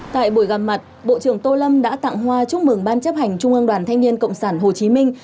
tại buổi gặp mặt bộ trưởng tô lâm đã tặng hoa chúc mừng ban chấp hành trung ương đoàn thanh niên cộng sản hồ chí minh